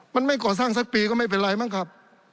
มันไม่ก่อสร้างสักปีก็ไม่เป็นไรมั้งครับ